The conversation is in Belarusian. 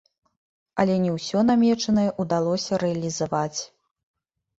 Але не ўсё намечанае ўдалося рэалізаваць.